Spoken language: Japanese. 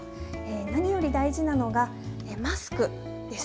何より大事なのがマスクです。